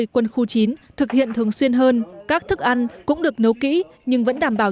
quân khu chín thực hiện thường xuyên hơn các thức ăn cũng được nấu kỹ nhưng vẫn đảm bảo